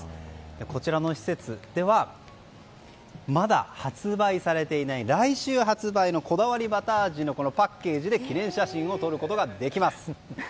こちらの施設ではまだ発売されていない来週発売のこだわりバター味のパッケージで記念写真を撮ることができます。